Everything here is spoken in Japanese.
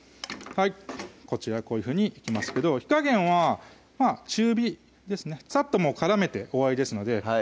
こちらこういうふうにいきますけど火加減は中火ですねさっと絡めて終わりですのでは